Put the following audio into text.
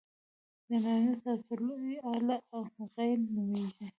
د نارينه تناسلي اله، غيڼ نوميږي.